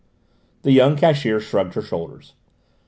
The young cashier shrugged her shoulders.